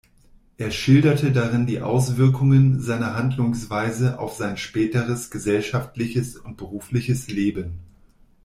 Er schilderte darin die Auswirkungen seiner Handlungsweise auf sein späteres gesellschaftliches und berufliches Leben.